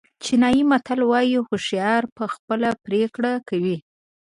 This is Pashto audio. چینایي متل وایي هوښیار په خپله پرېکړه کوي.